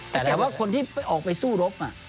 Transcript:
แต่ว่าคนที่ออกไปสู้รบ